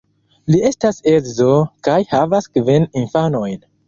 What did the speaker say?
Li estas edzo kaj havas kvin infanojn.